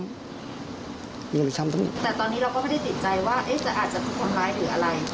แต่ตอนนี้เราก็ไม่ได้ติดใจว่าจะอาจจะเป็นคนร้ายหรืออะไร